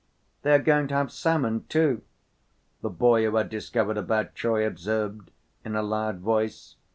"They are going to have salmon, too," the boy who had discovered about Troy observed in a loud voice.